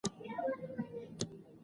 په افغانستان کې زمرد ډېر اهمیت لري.